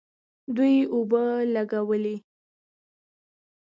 دوی اوبه لګولې.